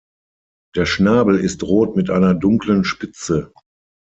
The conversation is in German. Der Schnabel ist rot mit einer dunklen Spitze.